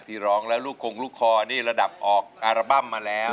ของลูกค้อนี่ระดับออกอาราบัมมาแล้ว